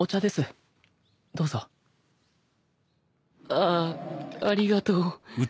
ああありがとう。